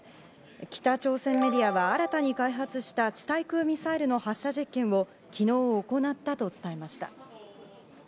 北朝鮮メディアは新たに開発した地対空ミサイルの発射実験を昨日、行ったと伝えました。